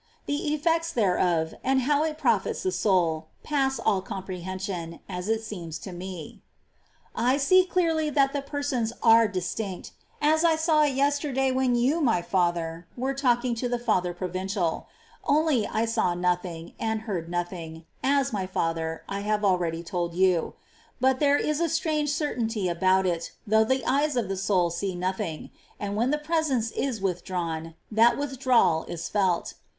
The effects thereof, and how it profits the soul, pass all comprehension, as it seems to me. 20. I see clearly that the Persons are distinct, Visions of .„^ the most as I saw it ycstcrday when you, my latner, were °^' talking to the Father Provincial ; only I saw nothing, and heard nothing, as, my father, I have already told you. But there is a strange certainty about it, though the eyes of the soul see nothing ; and when the Presence is withdrawn, that with drawal is felt.